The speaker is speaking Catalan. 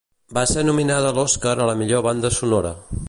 Va ser nominada a l'Oscar a la millor banda sonora.